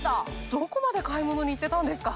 どこまで買い物に行ってたんですか？